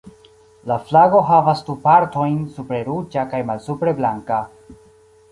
La flago havas du partojn, supre ruĝa kaj malsupre blanka.